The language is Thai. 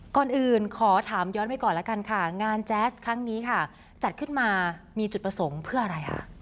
ก่อนอื่นขอถามย้อนไปก่อนแล้วกันค่ะงานแจ๊สครั้งนี้ค่ะจัดขึ้นมามีจุดประสงค์เพื่ออะไรคะ